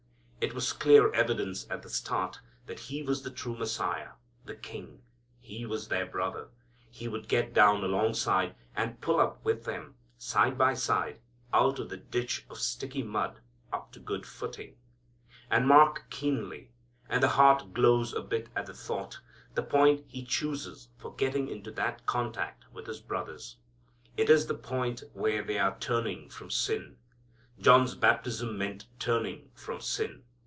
It was clear evidence at the start that He was the true Messiah, the King. He was their Brother. He would get down alongside, and pull up with them side by side out of the ditch of sticky mud up to good footing. And mark keenly and the heart glows a bit at the thought the point He chooses for getting into that contact with His brothers. It is the point where they are turning from sin. John's baptism meant turning from sin.